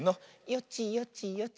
よちよちよち。